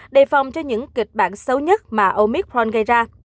đề phòng cho những kịch bản xấu nhất mà omicron gây ra